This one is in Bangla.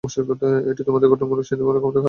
এটি তোমাদের গঠনমূলক চিন্তাভাবনার ক্ষমতাকে হ্রাস করে।